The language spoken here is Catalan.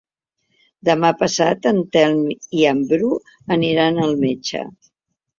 Demà passat en Telm i en Bru aniran al metge.